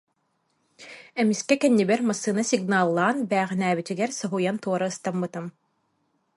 Эмискэ кэннибэр массыына сигналлаан бээҕинээбитигэр соһуйан туора ыстаммытым